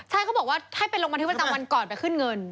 ใช่เขาบอกว่าให้ไปลงบันทึกประจำวันก่อนไปขึ้นเงิน